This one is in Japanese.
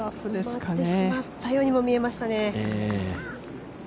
乗ってしまったようにも見えましたね。